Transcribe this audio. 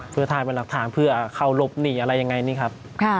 เพื่อถ่ายเป็นหลักฐานเพื่อเข้ารบหนีอะไรยังไงนี่ครับ